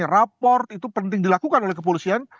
raport itu penting dilakukan oleh kepolisian